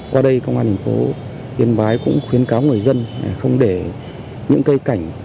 qua đây công an thành phố yên bái cũng khuyến cáo người dân không để những cây cảnh